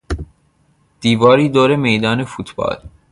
دیواری دور میدان فوتبال